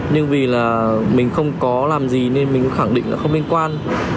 nhưng vì là mình không có làm gì nên mình cũng khẳng định nó không liên quan